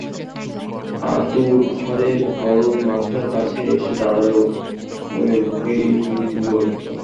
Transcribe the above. আঁতুড়ঘরে মরণ মাথার কাছে এসে দাঁড়াল, মনে ভয়ই হল না।